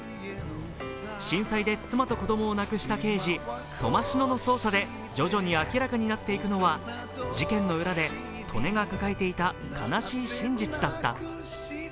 震災で妻と子供を亡くした刑事・苫篠の捜査で徐々に明らかになっていくのは、事件の裏で利根が抱えていた悲しい真実だった。